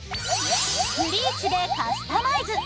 ブリーチでカスタマイズ。